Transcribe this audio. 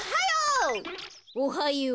おはよう。